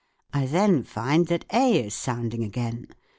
I then find that A is sounding again.